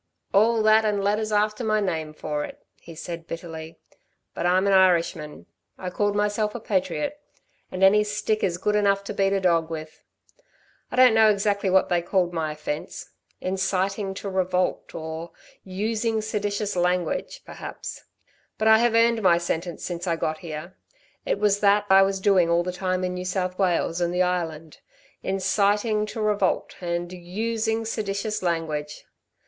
"All that, and letters after my name for it," he said, bitterly. "But I'm an Irishman ... I called myself a patriot and any stick is good enough to beat a dog with. I don't know exactly what they called my offence 'inciting to revolt,' or 'using seditious language,' perhaps; but I have earned my sentence since I got here. It was that I was doing all the time in New South Wales and the Island 'inciting to revolt' and 'using seditious language'